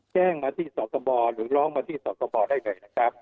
แจ้งมาที่ศาลกบหรือร้องมาที่ศาลกบได้ไหนนะครับ